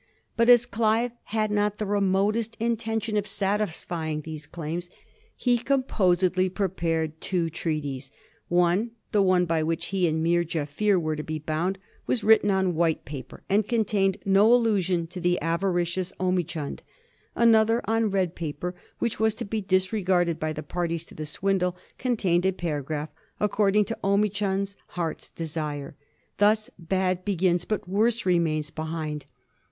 But as Clive had not the remotest intention of satisfying those claims, he composedly prepared two treaties. One — the one by which be and Meer Jaffier were to be bound — ^was writ ten on white paper, and contained no allusion to the ava ricious Omichund. Another, on red paper, which was to be disregarded by the parties to the swindle, contained a paragraph according to Omichnnd's heart's desire. Thus bad begins, but worse remains behind.